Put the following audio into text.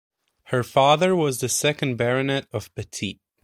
Her father was the second baronet of Petit.